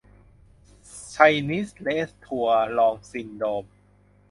ไชนีสเรสทัวรองซินโดรม